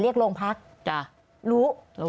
เรียกโรงพักรู้